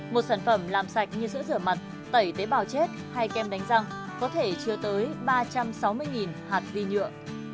một sản phẩm làm sạch như giữ rửa mặt tẩy tế bào chết hay kem đánh răng có thể chứa tới ba trăm sáu mươi hạt vi nhựa